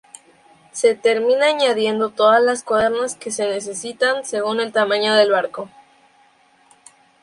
Se termina añadiendo todas las cuadernas que se necesitan según el tamaño del barco.